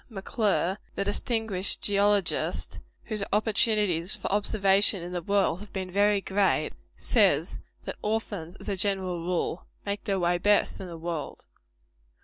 M'Clure, the distinguished geologist, whose opportunities for observation in the world have been very great, says that orphans, as a general rule, make their way best in the world.